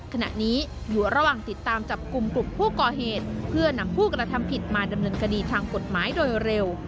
ขณะนี้อยู่ระหว่างติดตามจับกลุ่มกลุ่มผู้ก่อเหตุเพื่อนำผู้กระทำผิดมาดำเนินคดีทางกฎหมายโดยเร็ว